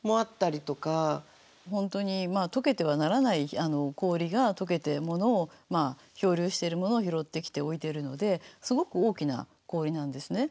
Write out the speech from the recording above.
本当にまあ解けてはならない氷が解けて漂流しているものを拾ってきて置いているのですごく大きな氷なんですね。